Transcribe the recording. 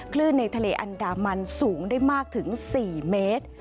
คลื่นในทะเลอันดามันสูงได้มากถึง๔เมตร